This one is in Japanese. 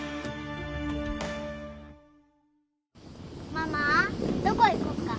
ママどこ行こっか？